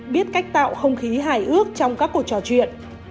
biết cách tạo không khí hài ước trong các cuộc trò chuyện